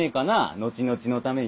後々のために。